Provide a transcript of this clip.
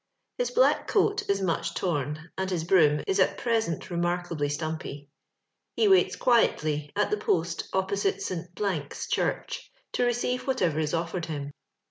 His black coat is much torn, and his broom is at pre sent remarkably stumpy. He waits quietly at the post opposite St. ^'s Church, to re ceive whatever is ofiered him.